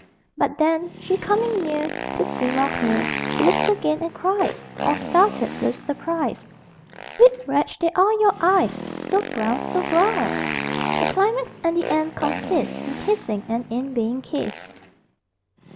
_ But then, she coming near, To see more clear, He looks again, and cries (All startled with surprise) Sweet wretch, they are your eyes, So brown, so brown! The climax and the end consist In kissing, and in being kissed.